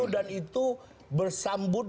dan itu bersambut